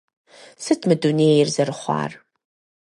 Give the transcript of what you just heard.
Сыт мы дунейр зэрыхъуар?